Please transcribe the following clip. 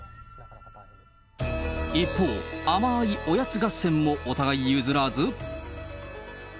一方、甘ーいおやつ合戦もお互い譲らず。